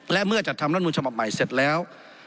และเมื่อจัดทำรัฐมนุนฉบับใหม่เสร็จแล้ว